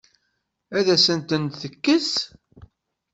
Ad asent-ten-tekkes?